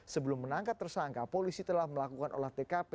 sebelum menangkap tersangka polisi telah melakukan olah tkp